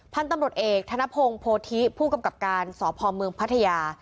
พันธุ์ตำรวจเอกธนพงศ์โพธิผู้กำกับการสพเมืองพัทยา